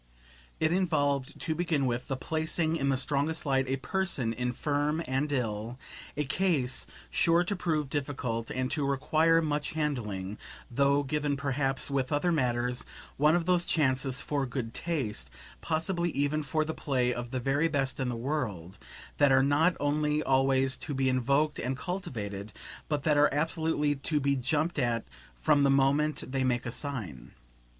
It involved, to begin with, the placing in the strongest light a person infirm and ill a case sure to prove difficult and to require much handling; though giving perhaps, with other matters, one of those chances for good taste, possibly even for the play of the very best in the world, that are not only always to be invoked and cultivated, but that are absolutely to be jumped at from the moment they make a sign.